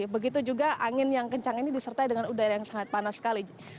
begitu juga angin yang kencang ini disertai dengan udara yang sangat panas sekali